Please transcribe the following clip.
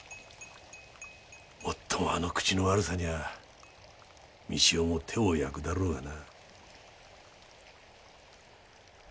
もっともあの口の悪さにゃ三千代も手を焼くだろうがな。